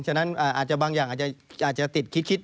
ฉะนั้นอาจจะบางอย่างอาจจะติดคิด